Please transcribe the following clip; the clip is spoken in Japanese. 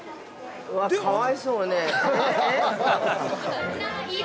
◆わっ、かわいそうねー。